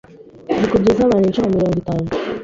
zikubye iz’abantu inshuro mirongo itanu